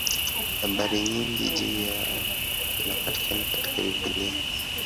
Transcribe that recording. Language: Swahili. Habari nyingi juu yao zinapatikana katika Biblia.